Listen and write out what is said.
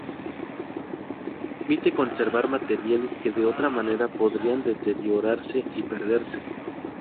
Permite conservar materiales que de otra manera podrían deteriorarse y perderse.